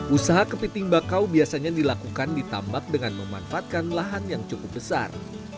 usaha kepiting bakau biasanya dilakukan di tambak dengan memanfaatkan lahan yang cukup besar